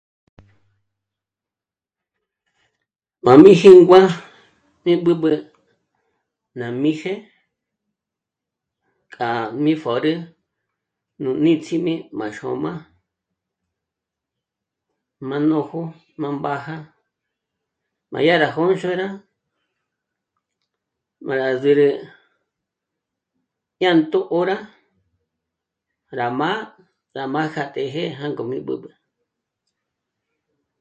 M'a mí jíngua b'üb'ü ná m'îje k'a mí pjö̀rü nú níts'im'i má xôma m'á nójo ná mbàja m'a d}a rá jôndzhorá m'a rá zü̂rü jñā̀nto 'öra rá m'á'a... rá mája tejé'e mí b'ǚb'ü